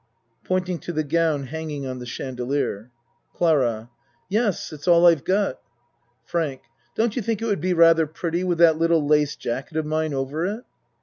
(Pointing to the gown hanging on the chandelier.) CLARA Yes It's all I've got. FRANK Don't you think it would be rather pretty with that little lace jacket of mine over it?